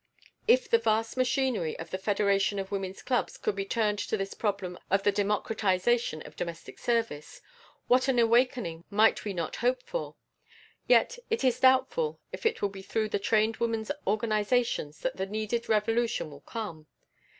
If the vast machinery of the Federation of Woman's Clubs could be turned to this problem of the democratization of domestic service, what an awakening might we not hope for! Yet it is doubtful if it will be through the trained woman's organizations that the needed revolution will come.